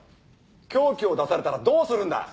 凶器を出されたらどうするんだ。